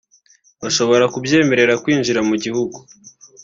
bashobore kubyemerera kwinjira mu gihugu